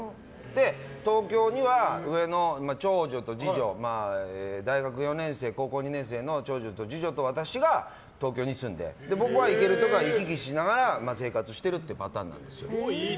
東京には上の長女と次女大学４年生、高校２年生の長女と次女と私が東京に住んで、僕は行ける時は行き来しながら生活してるっていうパターンなんです。